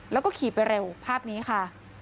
แล้วก็ขี่ไปเร็วภาพนี้ค่ะ